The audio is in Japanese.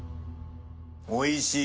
おいしい。